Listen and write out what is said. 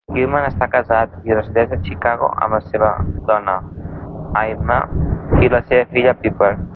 Kilman està casat i resideix a Chicago amb la seva dona, Aimee, i la seva filla, Piper.